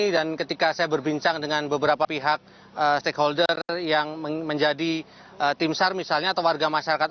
dan ketika saya berbincang dengan beberapa pihak stakeholder yang menjadi timsar misalnya atau warga masyarakat